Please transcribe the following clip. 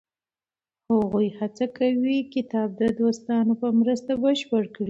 هغوی هڅه کوي کتاب د دوستانو په مرسته بشپړ کړي.